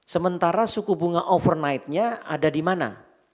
sementara suku bunga overnightnya ada di mana